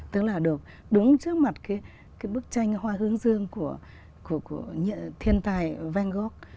tức là đúng trước mặt cái bức tranh hoa hướng dương của thiên tài van gogh